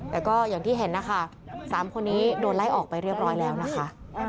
แต่ก็อย่างที่เห็นนะคะ๓คนนี้โดนไล่ออกไปเรียบร้อยแล้วนะคะ